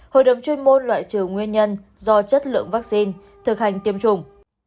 hội đồng chuyên môn loại trừ nguyên nhân do chất lượng vaccine thực hành tiêm chủng